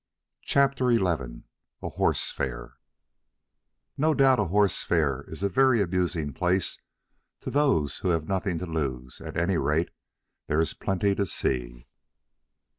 CHAPTER XI A HORSE FAIR No doubt a horse fair is a very amusing place to those who have nothing to lose; at any rate, there is plenty to see.